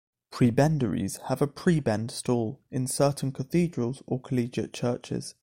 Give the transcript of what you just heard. Prebendaries have a Prebend Stall in certain cathedrals or collegiate churches.